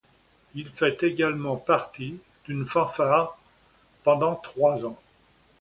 Il fait également partie d'une fanfare pendant trois ans.